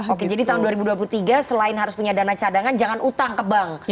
oke jadi tahun dua ribu dua puluh tiga selain harus punya dana cadangan jangan utang ke bank